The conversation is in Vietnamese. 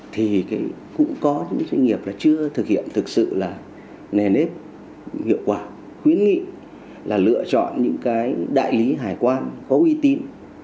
thì cũng có những doanh nghiệp chưa thực hiện thực sự là nền ép hiệu quả khuyến nghị là lựa chọn những cái đại lý hải quan có uy tín